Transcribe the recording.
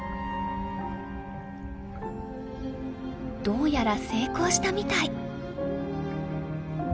どうやら成功したみたい。